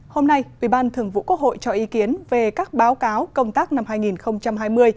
hôm nay ủy ban thường vụ quốc hội cho ý kiến về các báo cáo công tác năm hai nghìn hai mươi